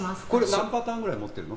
何パターンぐらい持ってるの？